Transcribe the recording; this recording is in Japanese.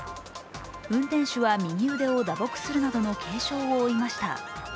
運転手は右腕を打撲するなどの軽傷を負いました。